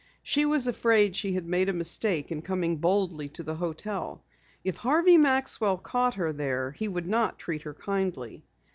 She was afraid she had made a mistake in coming boldly to the hotel. If Harvey Maxwell caught her there he would not treat her kindly.